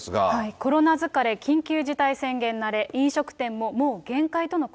コロナ疲れ、緊急事態宣言慣れ、飲食店ももう限界との声。